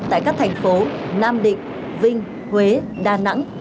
tại các thành phố nam định vinh huế đà nẵng